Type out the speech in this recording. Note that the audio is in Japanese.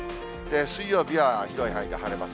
水曜日は広い範囲で晴れます。